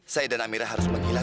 saya dan amira harus menghilang